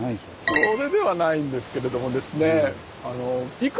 それではないんですけれどもですね。